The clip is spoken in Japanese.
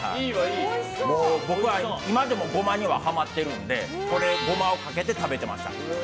僕は今でもゴマにはまってるのでゴマをかけて食べていました。